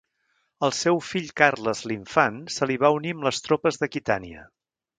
El seu fill Carles l'Infant se li va unir amb les tropes d'Aquitània.